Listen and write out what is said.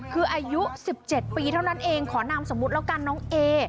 คืออายุ๑๗ปีเท่านั้นเองขอนามสมมุติแล้วกันน้องเอ